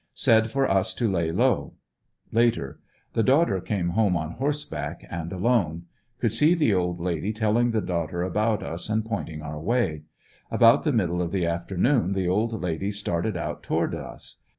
Said for us to lay low. Later. — The daughter came home on horseback and alone. Could see the old lady telling the daughter about us and pointing our way. About the middle of the afternoon the old lady started out toward us.